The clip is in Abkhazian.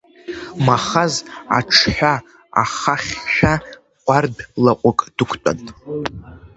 Махаз аҽҳәа ахахьшәа, ҟәардә лаҟәык дықәтәан.